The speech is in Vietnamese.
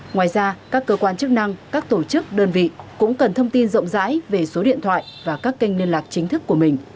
ngoài ra các cơ quan chức năng các tổ chức đơn vị cũng cần thông tin rộng rãi về số điện thoại và các kênh liên lạc chính thức của mình